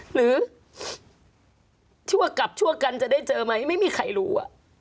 ชั่วกลับชั่วกันจะได้เจอไหมไม่มีใครรู้